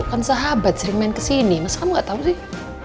kan sahabat sering main kesini mas kamu gak tau sih